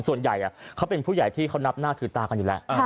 ส่วนใหญ่เขาเป็นผู้ใหญ่ที่เขานับหน้าคือตากันอยู่แล้ว